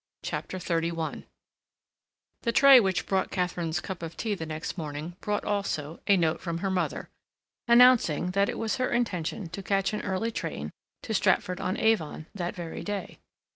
CHAPTER XXXI The tray which brought Katharine's cup of tea the next morning brought, also, a note from her mother, announcing that it was her intention to catch an early train to Stratford on Avon that very day.